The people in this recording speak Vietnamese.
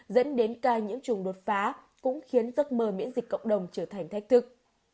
dẫn đến ca nhiễm trùng đột phá cũng khiến giấc mơ miễn dịch cộng đồng trở thành thách thức